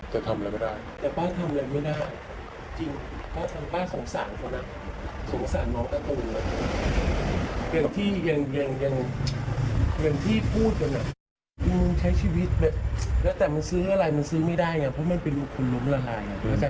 อย่างที่พูดกันนะใช้ชีวิตแล้วแต่มันซื้ออะไรมันซื้อไม่ได้ไงเพราะมันเป็นลูกคนลุ้มละลาย